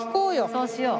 そうしよう。